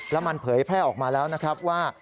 แล้วมันเผยแพร่ออกมาแล้วนะครับว่า